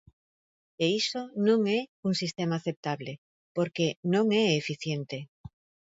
E iso non é un sistema aceptable, porque non é eficiente.